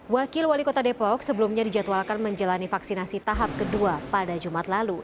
wakil wali kota depok sebelumnya dijadwalkan menjalani vaksinasi tahap kedua pada jumat lalu